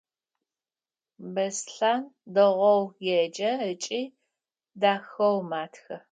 Беслъэн дэгъоу еджэ ыкӏи дахэу матхэ.